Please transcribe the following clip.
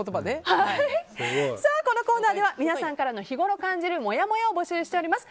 このコーナーでは皆さんからの日頃感じるもやもやを募集しております。